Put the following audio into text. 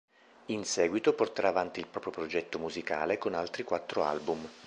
In seguito porterà avanti il proprio progetto musicale con altri quattro album.